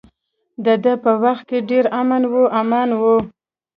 د ده په وخت کې ډیر امن و امان و.